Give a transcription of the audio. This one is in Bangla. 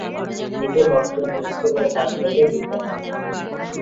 দুটো নোটবই মুখস্থ করে পাস করলেই বিদ্যে হয় না।